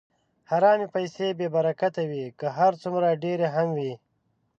حرامې پیسې بېبرکته وي، که هر څومره ډېرې هم وي.